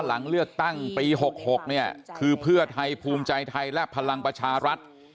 หลังเลือกตั้งปี๖๖เนี่ยคือเพื่อไทยภูมิใจไทยและพลังประชารัฐ